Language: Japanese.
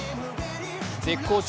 絶好調